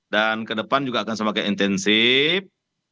dan ke depan juga akan sebagai intensif